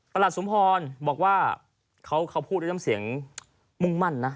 ประหลัดสุมพรบอกว่าเขาพูดด้วยลำเสียงมุ่งมั่นนะ